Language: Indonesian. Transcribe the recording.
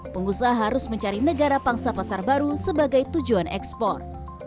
pengusaha harus mencari negara pangsa pasar baru sebagai tujuan ekspor